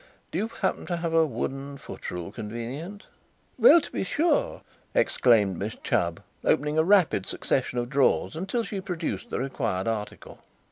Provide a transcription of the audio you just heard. "Do you happen to have a wooden foot rule convenient?" "Well, to be sure!" exclaimed Miss Chubb, opening a rapid succession of drawers until she produced the required article.